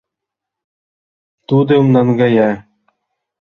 Тудым наҥгая.